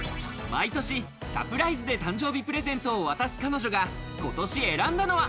毎年サプライズで誕生日プレゼントを渡す彼女が今年選んだのは。